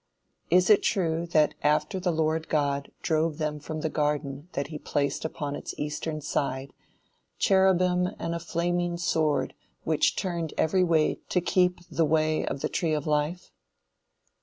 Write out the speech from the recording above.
Is it true, that after the Lord God drove them from the garden that he placed upon its Eastern side "Cherubim and a flaming sword which turned every way to keep the way of the tree of life?"